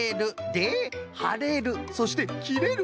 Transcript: で「はれる」そして「きれる」。